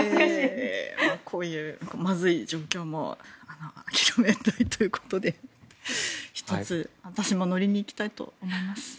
こういうまずい状況もあきらめんたいということで１つ、私も乗りに行きたいと思います。